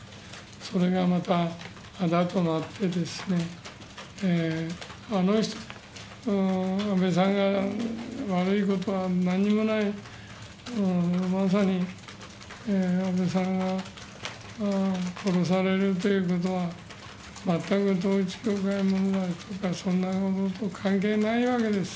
それがまたあだとなってですね、安倍さんが悪いことはなんにもない、まさに安倍さんが殺されるということは、全く統一教会、そんなことと関係ないわけです。